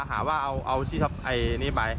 หาว่าเอาที่ท็อปไอ้นี่ไป